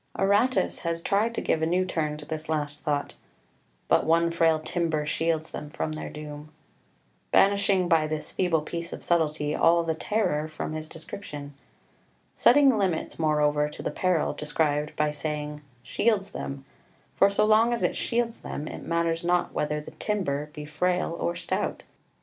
[Footnote 1: Il. xv. 624.] 6 Aratus has tried to give a new turn to this last thought "But one frail timber shields them from their doom," banishing by this feeble piece of subtlety all the terror from his description; setting limits, moreover, to the peril described by saying "shields them"; for so long as it shields them it matters not whether the "timber" be "frail" or stout.